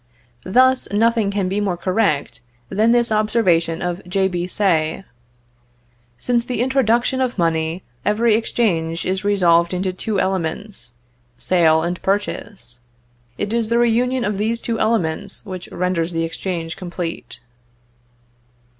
Thus, nothing can be more correct than this observation of J.B. Say: "Since the introduction of money, every exchange is resolved into two elements, sale and purchase. It is the reunion of these two elements which renders the exchange complete."